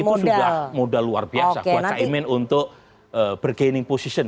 itu sudah modal luar biasa buat caimin untuk bergaining position